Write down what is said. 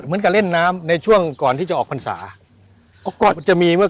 เหมือนกับเล่นน้ำในช่วงก่อนที่จะออกพรรษาก็ก่อนจะมีเมื่อ